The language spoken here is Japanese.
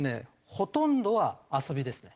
ほとんどは遊びですね。